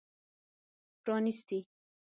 پرانیستي